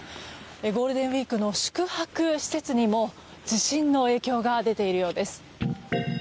ゴールデンウィークの宿泊施設にも地震の影響が出ているようです。